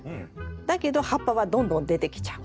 だけど葉っぱはどんどん出てきちゃう。